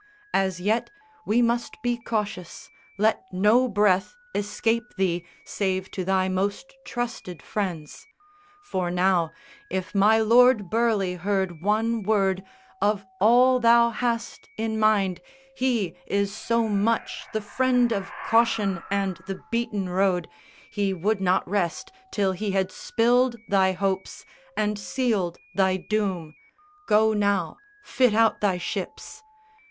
As yet we must be cautious; let no breath Escape thee, save to thy most trusted friends; For now, if my lord Burleigh heard one word Of all thou hast in mind, he is so much The friend of caution and the beaten road, He would not rest till he had spilled thy hopes And sealed thy doom! Go now, fit out thy ships.